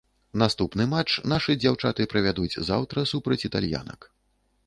Наступны матч нашы дзяўчаты правядуць заўтра супраць італьянак.